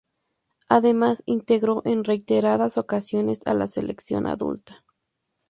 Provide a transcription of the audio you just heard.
Además integró en reiteradas ocasiones a la selección adulta.